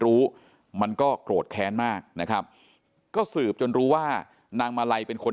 รู้มันก็โกรธแค้นมากนะครับก็สืบจนรู้ว่านางมาลัยเป็นคน